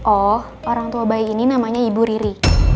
oh orang tua bayi ini namanya ibu riri